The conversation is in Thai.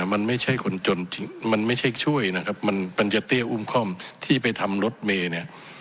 มันไม่ใช่คนจนมันไม่ใช่ช่วยนะครับมันมันจะเตี้ยอุ้มคล่อมที่ไปทำรถเมย์เนี่ย